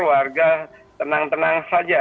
warga tenang tenang saja